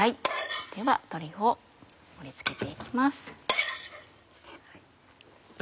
では鶏を盛り付けて行きます。